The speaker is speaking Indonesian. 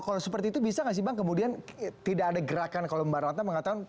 kalau seperti itu bisa nggak sih bang kemudian tidak ada gerakan kalau mbak ratna mengatakan